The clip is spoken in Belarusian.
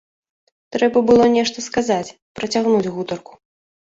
Трэба было нешта сказаць, працягнуць гутарку.